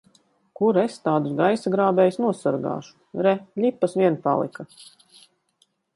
Kur es tādus gaisa grābējus nosargāšu! Re, ļipas vien palika!